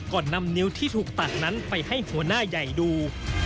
ก่อนนำนิ้วที่ถูกตัดนั้นไปให้หัวหน้าใหญ่ดู